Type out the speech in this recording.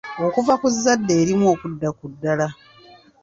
Okuva ku zzadde erimu okudda ku ddala.